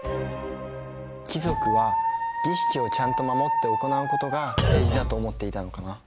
貴族は儀式をちゃんと守って行うことが政治だと思っていたのかな。